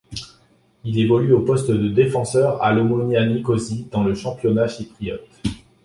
Il évolue au poste de défenseur à l'Omonia Nicosie dans le championnat chypriote.